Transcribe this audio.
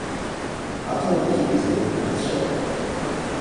I'll tell him to keep his damn mouth shut!